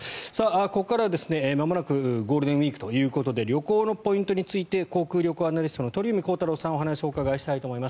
ここからは、まもなくゴールデンウィークということで旅行のポイントについて航空・旅行アナリストの鳥海高太朗さんにお話をお伺いしたいと思います。